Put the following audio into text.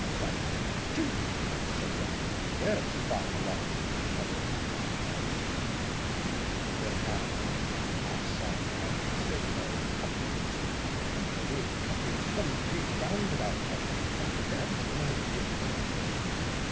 "Rat tat tat too!" said Wildrake; "there is a fine alarm to you cuckolds and round heads." He then half mimicked, half sung the march so called:— "Cuckolds, come dig, cuckolds, come dig; Round about cuckolds, come dance to my jig!"